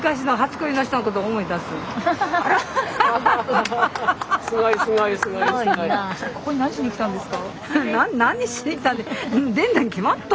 ここに何しに来たんですか？